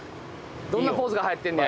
どんなポーズがはやってんねや？